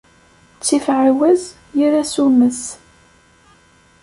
Ttif εawaz, yir asummet.